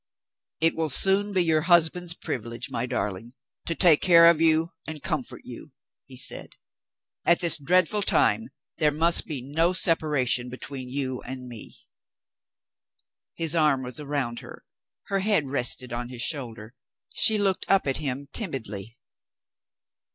"It will soon be your husband's privilege, my darling, to take care of you and comfort you," he said. "At this dreadful time, there must be no separation between you and me." His arm was round her; her head rested on his shoulder. She looked up at him timidly.